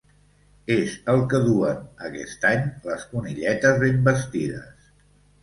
És el que duen aquest any les conilletes ben vestides.